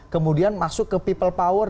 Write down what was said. kemudian masuk ke people power